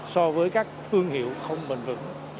so với các thương hiệu không bình vững